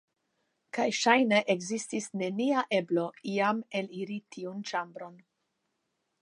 Kaj ŝajne ekzistis nenia eblo iam eliri tiun ĉambron.